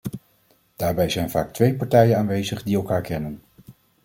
Daarbij zijn vaak twee partijen aanwezig die elkaar kennen.